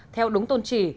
theo đúng tôn trì